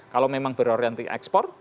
kalau memang berorientasi ekspor